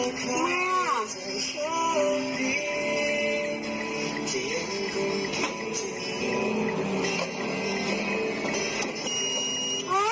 ตรงนี้ถือซีนของเราคือกอกซีนของเรามีในที่ทำแต่น้อง